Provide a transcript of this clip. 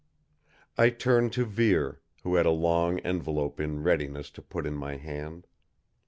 I turned to Vere; who had a long envelope in readiness to put in my hand.